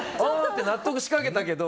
納得しかけたけど。